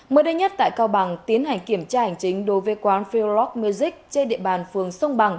mới đây nhất tại cao bằng tiến hành kiểm tra hành trình đồ viết quán philolog music trên địa bàn phường sông bằng